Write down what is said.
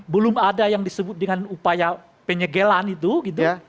belum ada yang disebut dengan upaya penyegelan itu gitu